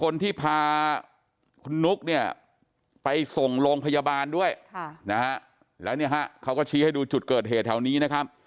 แล้วเนี่ยฮะเขาก็ชี้ให้ดูจุดเกิดเหตุแถวนี้นะครับ